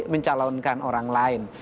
mencalonkan orang lain